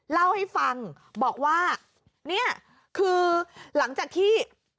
เล่าให้ฟังบอกว่าเนี่ยคือหลังจากที่